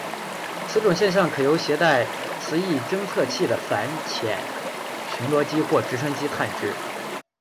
此种现象可由携带磁异侦测器的反潜巡逻机或直升机探知。